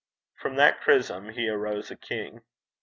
From that chrism he arose a king.